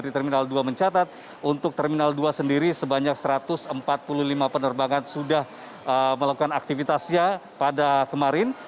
terminal dua mencatat untuk terminal dua sendiri sebanyak satu ratus empat puluh lima penerbangan sudah melakukan aktivitasnya pada kemarin